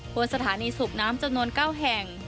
บนสถานีสูบน้ำจำนวน๙แห่ง